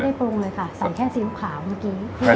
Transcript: ไม่ได้ปรุงเลยค่ะสั่งแค่ซีอิ๊วขาวเมื่อกี้